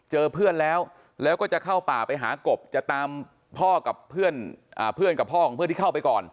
เจอเพื่อนแล้วแล้วก็จะเข้าป่าไปหากบจะตามพ่อกับเพื่อนกับพ่อของเพื่อนที่เข้าไปก่อน